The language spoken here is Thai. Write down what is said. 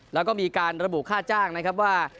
แล้วก็มีการระบุค่าจ้างนะครับว่า